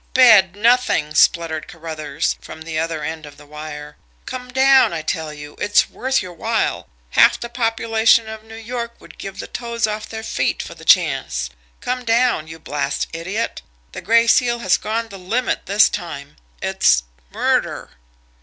"Bed nothing!" spluttered Carruthers, from the other end of the wire. "Come down, I tell you. It's worth your while half the population of New York would give the toes off their feet for the chance. Come down, you blast idiot! The Gray Seal has gone the limit this time it's MURDER."